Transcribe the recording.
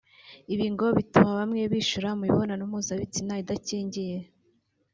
Ibi ngo bituma bamwe bishora mu mibonano mpuzabitsina idakingiye